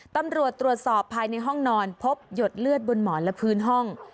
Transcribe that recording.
ตำรวจตรวจสอบภายในห้องนอนพบหยดเลือดบนหมอนและพื้นห้อง